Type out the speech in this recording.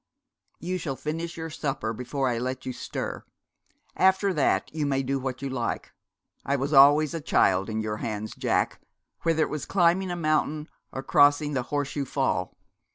'You shall finish your supper before I let you stir. After that you may do what you like. I was always a child in your hands, Jack, whether it was climbing a mountain or crossing the Horse shoe Fall.